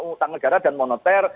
utang negara dan moneter